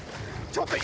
ちょっと。